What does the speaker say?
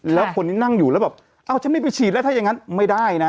แล้วคนที่นั่งอยู่แล้วแบบเอ้าฉันไม่ไปฉีดแล้วถ้าอย่างนั้นไม่ได้นะ